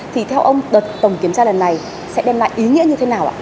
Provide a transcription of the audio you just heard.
thì theo ông đợt tổng kiểm tra lần này sẽ đem lại ý nghĩa như thế nào ạ